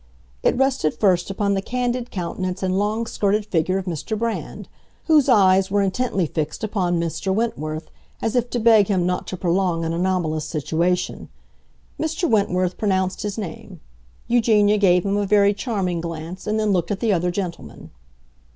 It rested first upon the candid countenance and long skirted figure of Mr. Brand, whose eyes were intently fixed upon Mr. Wentworth, as if to beg him not to prolong an anomalous situation. Mr. Wentworth pronounced his name. Eugenia gave him a very charming glance, and then looked at the other gentleman.